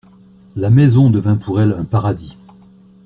La maison devint pour elle un paradis.